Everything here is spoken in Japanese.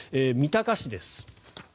三鷹市です。